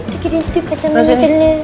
dengarin tuh kata kata dia